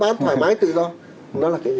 nó là cái gì